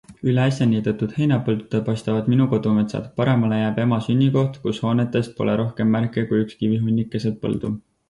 Üle äsja niidetud heinapõldude paistavad minu kodumetsad, paremale jääb ema sünnikoht, kus hoonetest pole rohkem märke kui üks kivihunnik keset põldu.